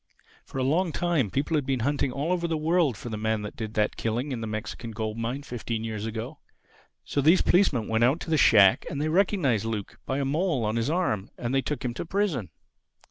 For a long time people had been hunting all over the world for the man that did that killing in the Mexican gold mine fifteen years ago. So these policemen went out to the shack, and they recognized Luke by a mole on his arm. And they took him to prison."